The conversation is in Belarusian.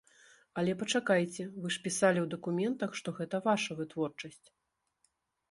Але пачакайце, вы ж пісалі ў дакументах, што гэта ваша вытворчасць?